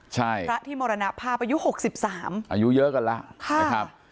ใช่พระที่มรณภาพอายุหกสิบสามอายุเยอะกันแล้วค่ะครับ